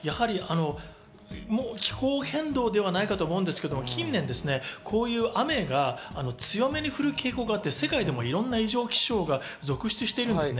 もう一つ感じたのは、気候変動ではないかと思うんですけど、近年こういう雨が強めに降る傾向があって世界でもいろんな異常気象が続出しています。